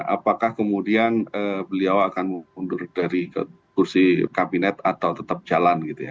apakah kemudian beliau akan mundur dari kursi kabinet atau tetap jalan gitu ya